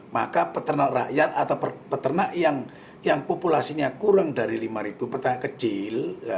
maka peternak rakyat atau peternak yang populasinya kurang dari lima peternak kecil